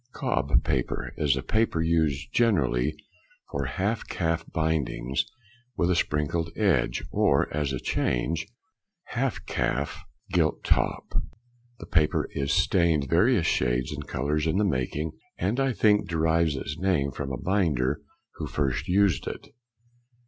Cobb Paper is a paper used generally for half calf bindings, with a sprinkled edge, or as a change, half calf, gilt top. The paper is stained various shades and colours in the making, and I think derives its name from a binder who first used it.